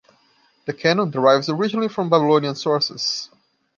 The Canon derives originally from Babylonian sources.